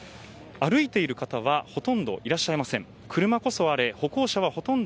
歩いている方はほとんどいらっしゃいません。